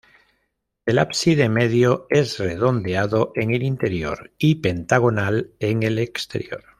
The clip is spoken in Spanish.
El ábside medio es redondeado en el interior y pentagonal en el exterior.